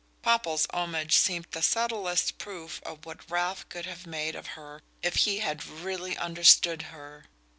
Popple's homage seemed the, subtlest proof of what Ralph could have made of her if he had "really understood" her.